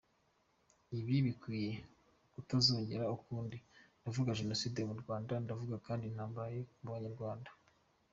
Ibiki bikwiye kutazongera ukundi, ndavuga genocide mu Rwanda, ndavuga kandi intambara mu banyarwanda.